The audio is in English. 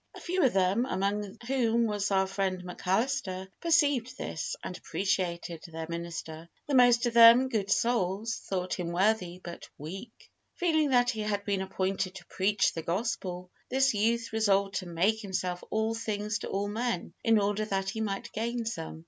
A few of them, among whom was our friend McAllister, perceived this, and appreciated their minister. The most of them, good souls, thought him worthy, but weak. Feeling that he had been appointed to preach the gospel, this youth resolved to "make himself all things to all men, in order that he might gain some."